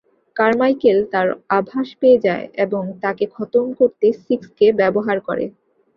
Carmichael তার আভাস পেয়ে যায় এবং তাকে খতম করতে সিক্সকে ব্যবহার করে।